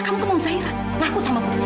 kamu ke nong zairah ngaku sama gue